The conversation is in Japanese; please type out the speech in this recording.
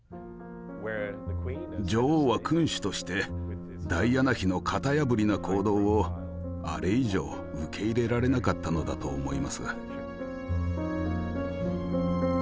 女王は君主としてダイアナ妃の型破りな行動をあれ以上受け入れられなかったのだと思います。